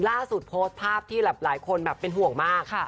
ล่าสุดโพสต์ภาพที่หลายคนแบบเป็นห่วงมาก